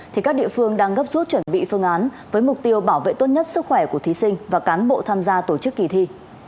thì các địa phương đang gấp rút chuẩn bị phương án với mục tiêu bảo vệ tốt nhất sức khỏe của thí sinh và cán bộ tham gia tổ chức kỳ thi